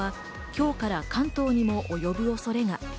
今日から関東にも及ぶ恐れが。